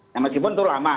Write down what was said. namun itu lama